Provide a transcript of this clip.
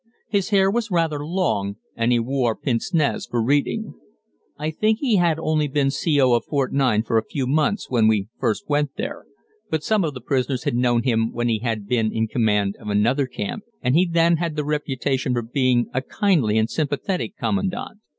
His hair was rather long, and he wore pince nez for reading. I think he had only been C.O. of Fort 9 for a few months when we first went there, but some of the prisoners had known him when he had been in command of another camp, and he then had the reputation for being a kindly and sympathetic commandant.